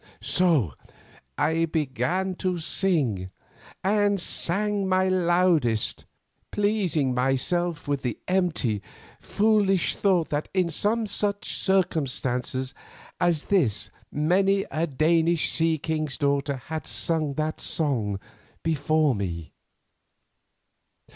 So I began to sing, and sang my loudest, pleasing myself with the empty, foolish thought that in some such circumstance as this many a Danish sea king's daughter had sung that song before me.